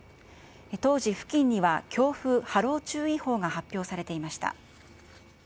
当時、付近には強風・波浪注意報が発表されていました。